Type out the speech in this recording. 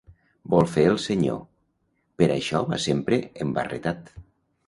Vol fer el senyor: per això va sempre embarretat!